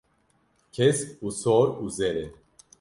Kesk û sor û zer e.